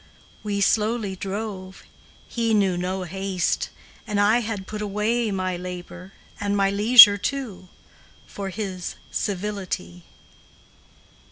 We slowly drove, he knew no haste, And I had put away My labor, and my leisure too, For his civility.